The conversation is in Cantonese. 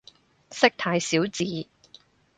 識太少字